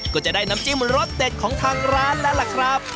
ก็จะได้น้ำจิ้มรสเด็ดของทางร้านแล้วล่ะครับ